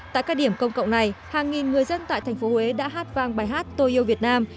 tại các điểm công cộng này hàng nghìn người dân tại tp hcm đã hát vang bài hát tô yêu việt nam